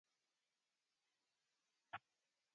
Kipande cha kwanza ni kutoka dar es salaam hadi Morogoro